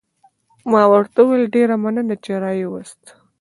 ما ورته وویل: ډېره مننه، چې را يې وست.